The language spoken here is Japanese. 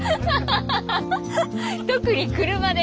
特に車で。